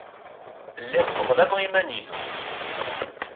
Lliɣ sseḍlameɣ iman-inu.